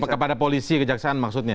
kepada polisi kejaksaan maksudnya